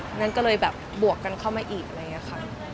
อันนั้นก็เลยแบบบวกกันเข้ามาอีก